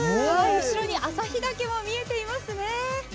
後ろに朝日岳がみられていますね。